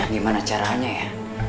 gimana caranya ya